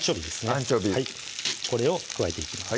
アンチョビーこれを加えていきます